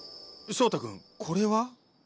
翔太君これは？